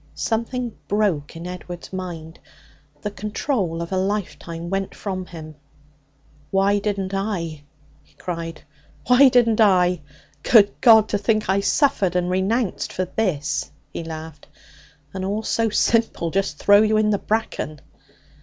Something broke in Edward's mind. The control of a life time went from him. 'Why didn't I?' he cried. 'Why didn't I? Good God! To think I suffered and renounced for this!' He laughed. 'And all so simple! Just throw you in the bracken.'